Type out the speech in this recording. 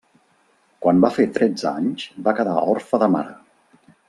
Quan va fer tretze anys, va quedar orfe de mare.